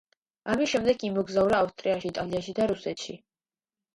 ამის შემდეგ იმოგზაურა ავსტრიაში, იტალიაში და რუსეთში.